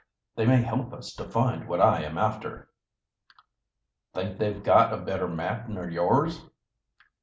"They may help us to find what I am after." "Think they've got a better map nor yours?"